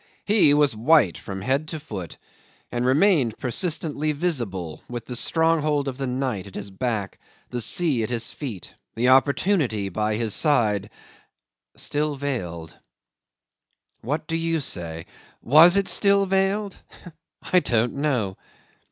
He was white from head to foot, and remained persistently visible with the stronghold of the night at his back, the sea at his feet, the opportunity by his side still veiled. What do you say? Was it still veiled? I don't know.